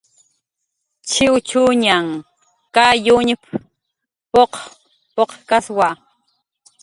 "Chiwchuñan kakuñp"" p""uq p""uqkkaswa"